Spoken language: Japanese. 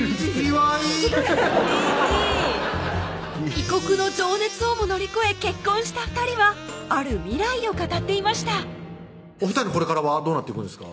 異国の情熱をも乗り越え結婚した２人はある未来を語っていましたお２人のこれからはどうなっていくんですか？